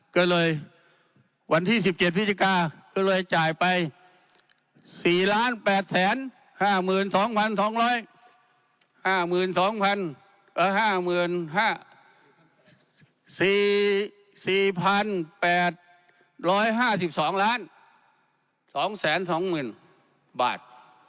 ก็เลยวันที่๑๗พิจารณ์ก็เลยจ่ายไป๔๘๕๒๒๕๒ล้านบาท